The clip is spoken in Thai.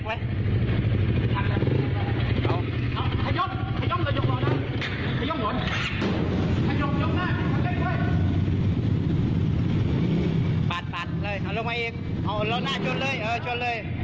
ขยกหน่อยปัดปัดเลยเอาลงมาอีกเอารถหน้าชดเลยเออชดเลย